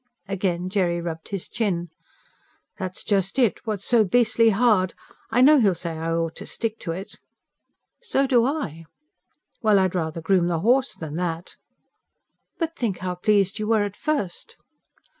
Again Jerry rubbed his chin. "That's just it what's so beastly hard. I know he'll say I ought to stick to it." "So do I." "Well, I'd rather groom the horse than that." "But think how pleased you were at first!"